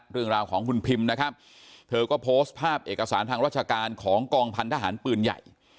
เรื่องราวของคุณพิมนะครับเธอก็โพสต์ภาพเอกสารทางราชการของกองพันธหารปืนใหญ่